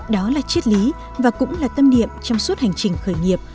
đó là triết lý và cũng là tâm niệm trong suốt hành trình khởi nghiệp